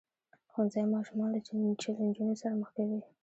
ښوونځی ماشومان له چیلنجونو سره مخ کوي.